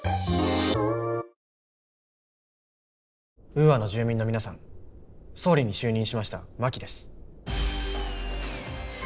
ウーアの住民の皆さん総理に就任しました真木です。